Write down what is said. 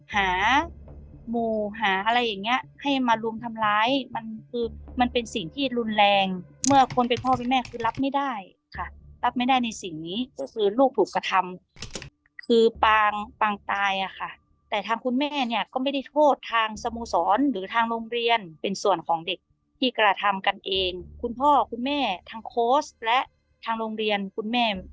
หาหมู่หาอะไรอย่างเงี้ยให้มารุมทำร้ายมันคือมันเป็นสิ่งที่รุนแรงเมื่อคนเป็นพ่อเป็นแม่คือรับไม่ได้ค่ะรับไม่ได้ในสิ่งนี้ก็คือลูกถูกกระทำคือปางปางตายอ่ะค่ะแต่ทางคุณแม่เนี่ยก็ไม่ได้โทษทางสโมสรหรือทางโรงเรียนเป็นส่วนของเด็กที่กระทำกันเองคุณพ่อคุณแม่ทางโค้ชและทางโรงเรียนคุณแม่